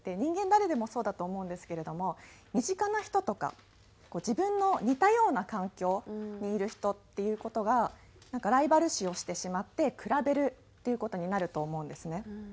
誰でもそうだと思うんですけれども身近な人とか自分の似たような環境にいる人っていう事がなんかライバル視をしてしまって比べるっていう事になると思うんですね。